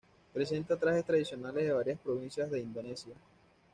Presenta trajes tradicionales de varias provincias de Indonesia.